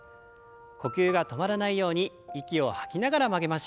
呼吸が止まらないように息を吐きながら曲げましょう。